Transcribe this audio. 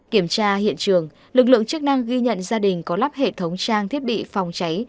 kiểm tra hiện trường lực lượng chức năng ghi nhận gia đình có lắp hệ thống trang thiết bị phòng cháy